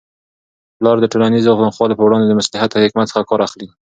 پلار د ټولنیزو ناخوالو په وړاندې د مصلحت او حکمت څخه کار اخلي.